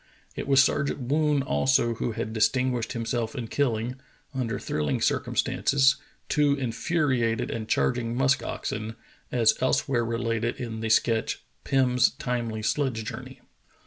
It was Sergeant Woon also who had distinguished himself in kilUng, under thrilling circumstances, two infuriated and charging musk oxen, as elsewhere re lated in the sketch, "Pim's Timely Sledge Journey."